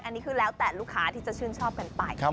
อันนี้คือแล้วแต่ลูกค้าที่จะชื่นชอบกันไป